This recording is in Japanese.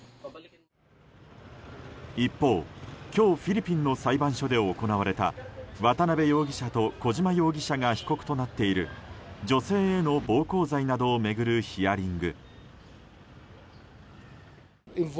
一方、今日フィリピンの裁判所で行われた渡邉容疑者と小島容疑者が被告となっている女性への暴行罪などを巡るヒアリング。